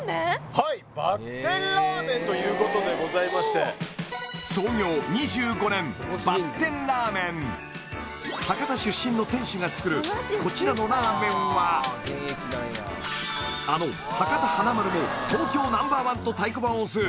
はいばってんラーメンということでございまして博多出身の店主が作るこちらのラーメンはあの博多華丸も東京Ｎｏ．１と太鼓判を押す